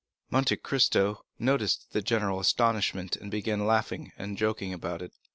Monte Cristo noticed the general astonishment, and began laughing and joking about it.